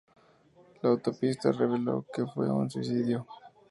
La autopsia reveló que fue un suicidio.